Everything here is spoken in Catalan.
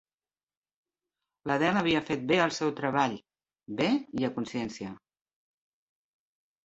L'Adele havia fet bé el seu treball bé i a consciència.